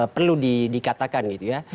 perlu dikatakan gitu ya